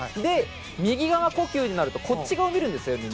右側呼吸になるとこっち側を見るんですよ。